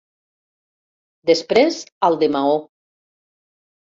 Després al de Maó.